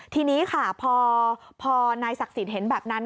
ทีนี้ค่ะพอนายศักดิ์สิทธิ์เห็นแบบนั้น